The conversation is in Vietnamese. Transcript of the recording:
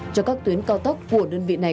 cho các tuyến cao tốc của đơn vị này